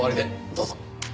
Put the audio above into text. どうぞ。